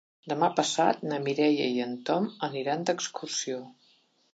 Demà passat na Mireia i en Tom aniran d'excursió.